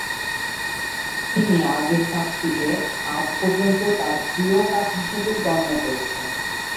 তিনি আগের কাজটিকে আজ পর্যন্ত তার প্রিয় কাজ হিসাবে গণ্য করেছেন।